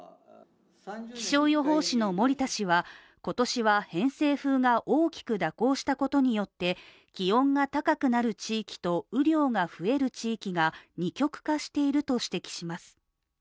気象予報士の森田氏は、今年は偏西風が大きく蛇行したことによって気温が高くなる地域と、雨量が増える地域が二極化していると指摘します。